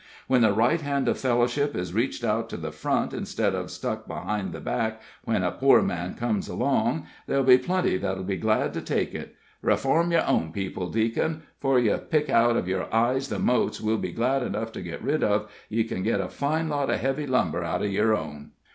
"When the right hand of fellowship is reached out to the front, instead of stuck behind the back when a poor man comes along, there'll be plenty that'll be glad to take it. Reform yer own people, Deac'n. 'Fore yer pick out of our eyes the motes we'll be glad enough to get rid of, ye can get a fine lot of heavy lumber out of yer own."